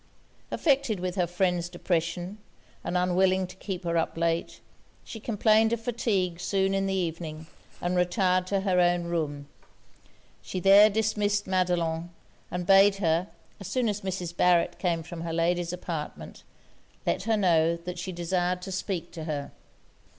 Affected with her friend's depression, and unwilling to keep her up late, she complained of fatigue soon in the evening, and retired to her own room. She there dismissed Madelon, and bade her, as soon as Mrs. Barret came from her lady's apartment, let her know that she desired to speak to her.